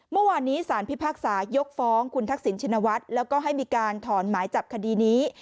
เมื่อวานนี้สารพิพากษายกฟ้องคุณทักษิณชินวัฒน์แล้วก็ให้มีการถอนหมายจับคดีนี้